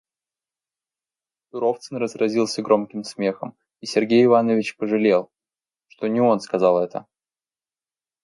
Туровцын разразился громким смехом, и Сергей Иванович пожалел, что не он сказал это.